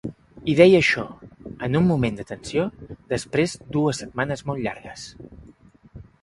I deia això: En un moment de tensió, després dues setmanes molt llargues.